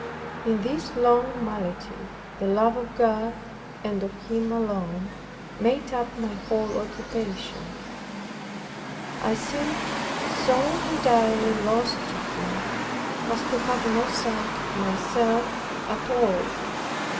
In this long malady the love of God, and of Him alone, made up my whole occupation, I seemed so entirely lost to Him, as to have no sight of myself at all.